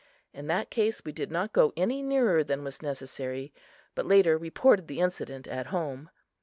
In that case we did not go any nearer than was necessary, but later reported the incident at home.